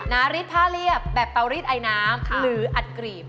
นาริสผ้าเรียบแบบเตารีดไอน้ำหรืออัดกรีบ